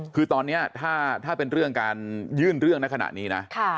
คือตอนนี้ถ้าเป็นเรื่องการยื่นเรื่องในขณะนี้นะ